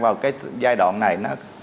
vào giai đoạn này